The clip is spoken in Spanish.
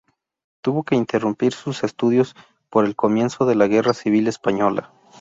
Tuvo que interrumpir sus estudios por el comienzo de la Guerra Civil Española.